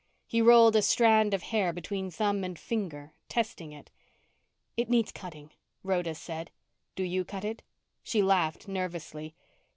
He rolled a strand of hair between thumb and finger, testing it. "It needs cutting," Rhoda said. "Do you cut it?" She laughed nervously.